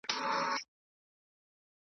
خر هغه دی خو کته یې بدله ده